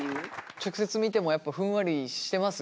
直接見てもやっぱふんわりしてます？